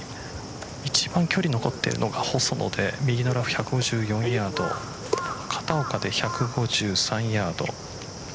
一番距離が残ってるのが細野で、右のラフ１５４ヤード片岡で１５３ヤード。